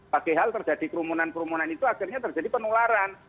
pak kehal terjadi kerumunan kerumunan itu akhirnya terjadi penularan